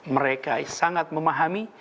mereka sangat memahami